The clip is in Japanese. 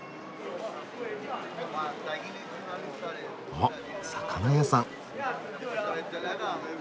あっ魚屋さん。